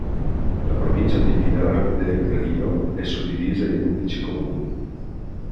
La provincia di Pinar del Río è suddivisa in undici comuni.